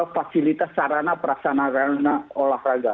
fasilitas sarana perasana olahraga